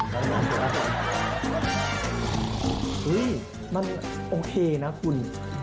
เฮ้ยมันโอเคนะคุณ